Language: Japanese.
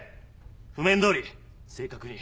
譜面どおり正確に。